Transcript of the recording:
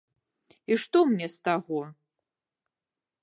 І што мне з таго?